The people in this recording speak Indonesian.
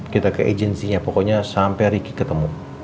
kita ke agensinya pokoknya sampai ricky ketemu